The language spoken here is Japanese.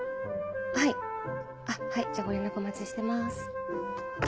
はいあっはいじゃご連絡お待ちしてます。